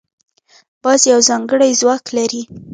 باز یو ځانګړی ځواک لري